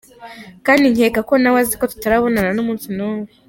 Kandi nkeka ko nawe azi ko tutarabonana n’umunsi n’umwe.